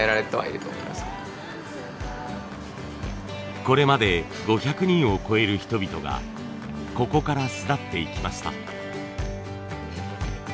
これまで５００人を超える人々がここから巣立っていきました。